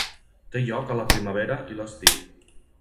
Té lloc a la primavera i l'estiu.